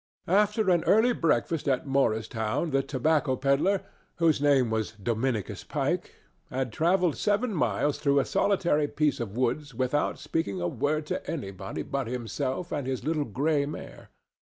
After an early breakfast at Morristown the tobacco pedler—whose name was Dominicus Pike—had travelled seven miles through a solitary piece of woods without speaking a word to anybody but himself and his little gray mare.